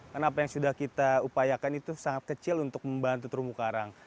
karena apa yang sudah kita upayakan itu sangat kecil untuk membantu terumbu karang